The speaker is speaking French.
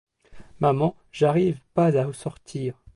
Maman j'arrive pas à sortir !